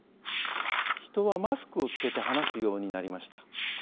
人はマスクをつけて話すようになりました。